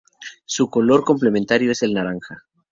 Su color complementario es el naranja.